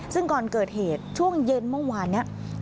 ซึ่งก่อนเกิดเหตุช่วงเย็นเมื่อวานนี้